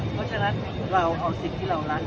เพราะฉะนั้นเราเอาสิ่งที่เรารัก